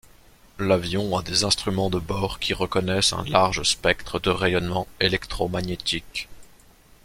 L'avion a des instruments de bord qui reconnaissent un large spectre de rayonnement électromagnétique.